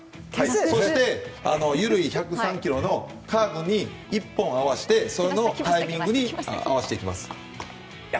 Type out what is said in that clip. そして、緩い１０３キロのカーブ一本に合わせてそれのタイミングに合わせます。